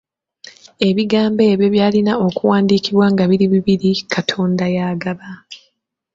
Ebigambo ebyo byalina okuwandiikibwa nga biri bibiri “Katonda y’agaba”.